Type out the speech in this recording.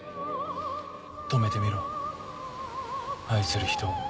止めてみろ愛する人を。